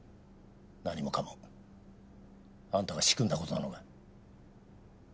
何もかもあんたが仕組んだ事なのか？